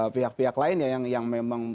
pihak pihak lainnya yang memang